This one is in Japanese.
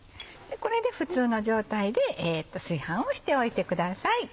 これで普通の状態で炊飯をしておいてください。